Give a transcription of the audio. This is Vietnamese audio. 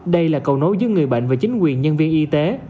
đây là cầu nối giữa người bệnh và chính quyền nhân viên y tế